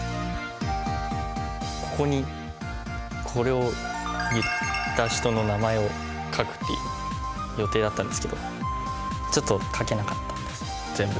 ここにこれを言った人の名前を書く予定だったんですけどちょっと書けなかったんで全部。